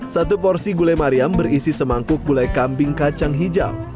satu porsi gulai mariam berisi semangkuk gulai kambing kacang hijau